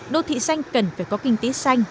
đồ thị xanh cần phải có kinh tế xanh